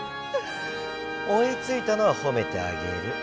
おいついたのはほめてあげる。